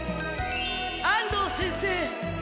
安藤先生。